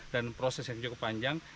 dan proses yang cukup panjang